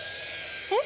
えっ？